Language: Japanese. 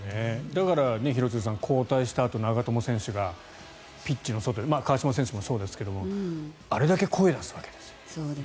だから廣津留さん交代したあと長友選手がピッチの外川島選手もそうですがあれだけ声を出すわけですよ。